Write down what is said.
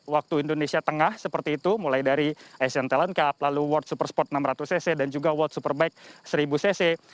waktu indonesia tengah seperti itu mulai dari asian talent cup lalu world super sport enam ratus cc dan juga world superbike seribu cc